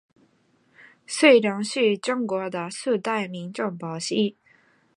水浒传是中国的四大名著之一。